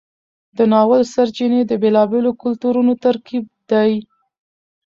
د ناول سرچینې د بیلابیلو کلتورونو ترکیب دی.